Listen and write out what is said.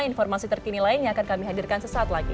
informasi terkini lainnya akan kami hadirkan sesaat lagi